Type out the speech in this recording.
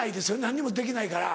何にもできないから。